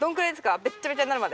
べっちゃべちゃになるまで？